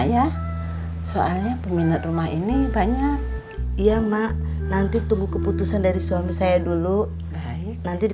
ya soalnya peminat rumah ini banyak iya mak nanti tunggu keputusan dari suami saya dulu baik nanti di